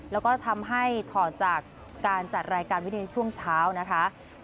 แล้วก็ทำให้ถอดจากการจัดรายการวิธีช่วงเช้านะคะ